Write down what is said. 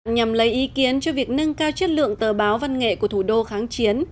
nhằm lấy ý kiến cho việc nâng cao chất lượng tờ báo văn nghệ của thủ đô kháng chiến